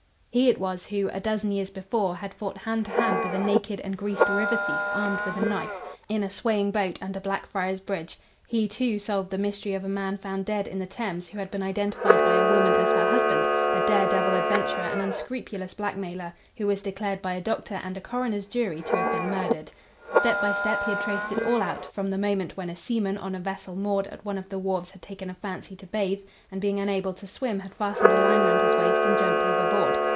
He it was who, a dozen years before, had fought hand to hand with a naked and greased river thief armed with a knife, in a swaying boat under Blackfriars Bridge; he, too, solved the mystery of a man found dead in the Thames who had been identified by a woman as her husband a dare devil adventurer and unscrupulous blackmailer, who was declared by a doctor and a coroner's jury to have been murdered. Step by step he had traced it all out, from the moment when a seaman on a vessel moored at one of the wharves had taken a fancy to bathe, and being unable to swim had fastened a line round his waist and jumped overboard.